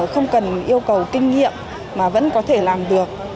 không cần yêu cầu kinh nghiệm mà vẫn có thể làm được